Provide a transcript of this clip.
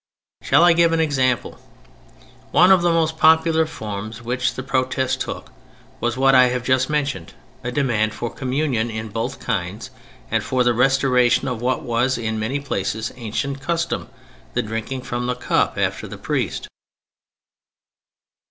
Shall I give an example? One of the most popular forms which the protest took, was what I have just mentioned, a demand for Communion in both kinds and for the restoration of what was in many places ancient custom, the drinking from the cup after the priest.